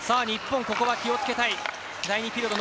日本、ここは気をつけたい。